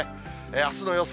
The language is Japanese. あすの予想